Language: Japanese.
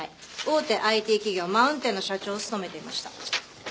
大手ＩＴ企業マウンテンの社長を務めていました。